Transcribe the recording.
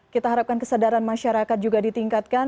kita harapkan kesadaran masyarakat juga ditingkatkan